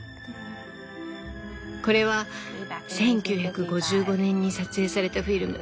これは１９５５年に撮影されたフィルム。